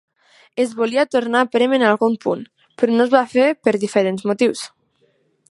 Es volia tornar a prémer en algun punt, però no es va fer per diferents motius.